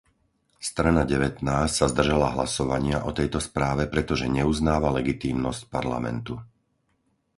Strana devätnásť sa zdržala hlasovania o tejto správe, pretože neuznáva legitímnosť Parlamentu.